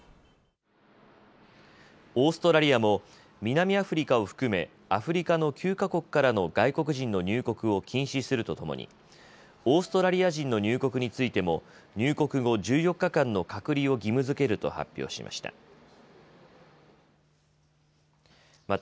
オーストラリアも南アフリカを含めアフリカの９か国からの外国人の入国を禁止するとともにオーストラリア人の入国についても入国後、１４日間の隔離を義務づけると発表しました。